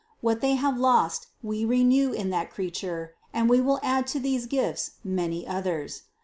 What they have lost We renew in that Creature and We will add to these gifts many others.